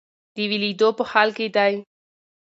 د ویلیدو په حال کې دی.